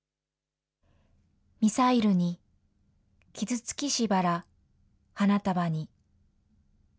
ミサイルに傷つきし薔薇花束に。